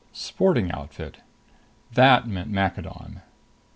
Sporting outfit.... That meant Maccadon!